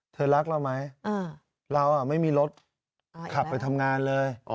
รักเราไหมเราไม่มีรถขับไปทำงานเลย